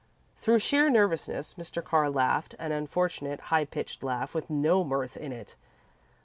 Through sheer nervousness, Mr. Carr laughed an unfortunate, high pitched laugh with no mirth in it.